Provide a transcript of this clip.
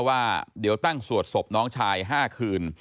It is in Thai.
ว่าเดี๋ยวตั้งสวดศพน้องชาย๕คืน